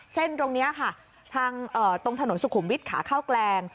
เส้นตรงนี้ค่ะตรงถนนสุขุมวิทขาข้าวแกรง